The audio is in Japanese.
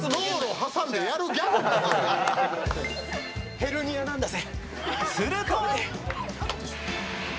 ヘルニアなんだぜ。